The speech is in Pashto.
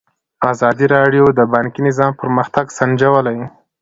ازادي راډیو د بانکي نظام پرمختګ سنجولی.